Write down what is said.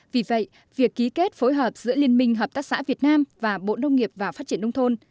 vì vậy việc ký kết phối hợp giữa liên minh hợp tác xã việt nam và bộ nông nghiệp và phát triển nông thôn